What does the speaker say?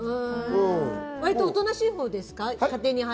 割とおとなしいほうですか？